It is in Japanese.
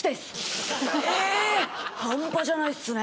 ⁉半端じゃないっすね。